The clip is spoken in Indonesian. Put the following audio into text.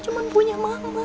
ini teman punya mama